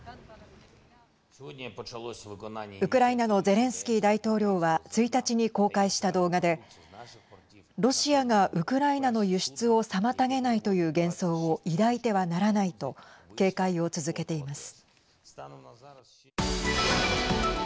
ウクライナのゼレンスキー大統領は１日に公開した動画でロシアがウクライナの輸出を妨げないという幻想を抱いてはならないと警戒を続けています。